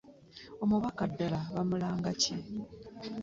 Omubaka ddala bamulanga ki?